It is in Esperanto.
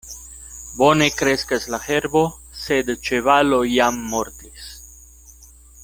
Bone kreskas la herbo, sed ĉevalo jam mortis.